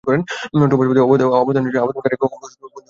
Topaz পদে আবেদনের জন্য আবেদনকারীকে কমপক্ষে পঞ্চম শ্রেণি পাস হতে হবে।